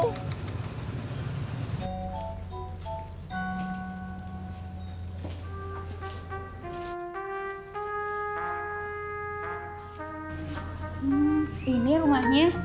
hmm ini rumahnya